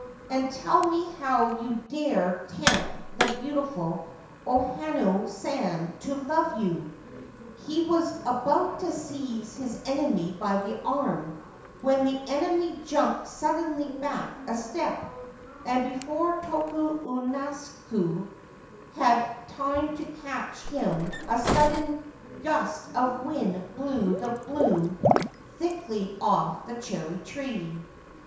And tell me how you dare tempt the beautiful O Hanano San to love you !' He was about to seize his enemy by the arm when the enemy jumped suddenly back a step, and before Tokunosuke had time to catch him a sudden gust of wind blew the bloom thickly off the cherry tree.